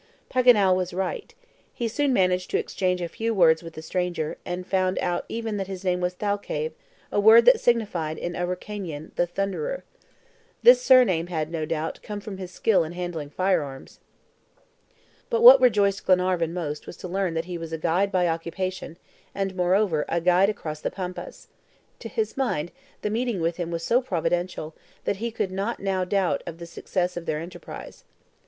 Paganel was right. He soon managed to exchange a few words with the stranger, and found out even that his name was Thalcave, a word that signified in Araucanian, "The Thunderer." This surname had, no doubt, come from his skill in handling fire arms. But what rejoiced Glenarvan most was to learn that he was a guide by occupation, and, moreover, a guide across the Pampas. To his mind, the meeting with him was so providential, that he could not doubt now of the success of their enterprise.